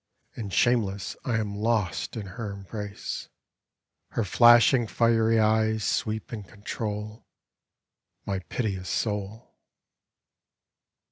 And shameless I am lost in her embrace. Her flashing fiery eyes sweep and control My piteous soul.